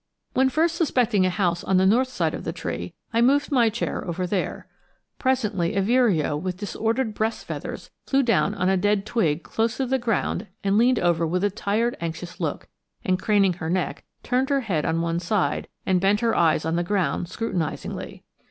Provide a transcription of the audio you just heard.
When first suspecting a house on the north side of the tree, I moved my chair over there. Presently a vireo with disordered breast feathers flew down on a dead twig close to the ground and leaned over with a tired anxious look, and craning her neck, turned her head on one side, and bent her eyes on the ground scrutinizingly.